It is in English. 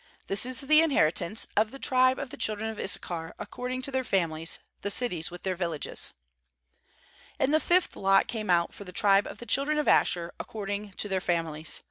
^This is the inheritance of the tribe of the children of Issachar according to their families, the cities with their villages ^And the fifth lot came out for the tribe of the children of Asher accord ing to their families.